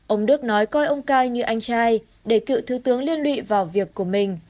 ông đức nói coi ông cai như anh trai để cựu thứ tướng liên lụy vào việc của mình